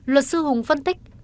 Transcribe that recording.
luật sư hùng phân tích